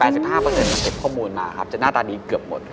มันเก็บข้อมูลมาครับจะหน้าตาดีเกือบหมด